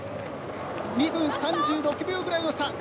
２分３６秒ぐらいの差。